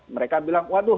mereka bilang waduh